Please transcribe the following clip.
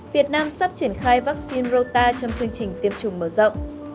việt nam sắp triển khai vaccine rota trong chương trình tiêm chủng mở rộng